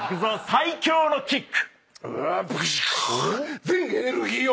最強のキック！